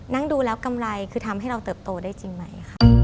นั่งดูแล้วกำไรคือทำให้เราเติบโตได้จริงไหมค่ะ